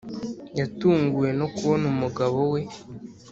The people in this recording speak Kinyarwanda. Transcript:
yatunguwe no kubona umugabo we